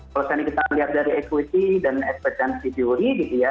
kalau kita melihat dari equity dan expectancy theory gitu ya